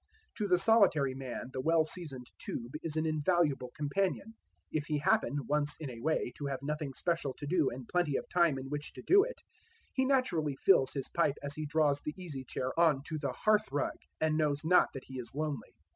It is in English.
To the solitary man the well seasoned tube is an invaluable companion. If he happen, once in a way, to have nothing special to do and plenty of time in which to do it, he naturally fills his pipe as he draws the easy chair on to the hearthrug, and knows not that he is lonely.